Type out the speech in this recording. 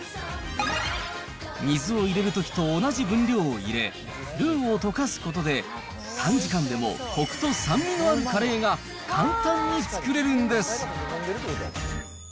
水を入れるときと同じ分量を入れ、ルーを溶かすことで短時間でもこくと酸味のあるカレーが簡単に作れるんです。